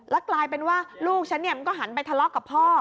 กลายเป็นว่าลูกฉันมันก็หันไปทะเลาะกับพ่อ